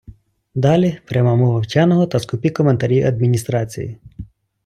Далі – пряма мова вченого та скупі коментарі адміністрації.